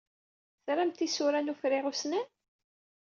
Tramt isura n uferriɣ ussnan?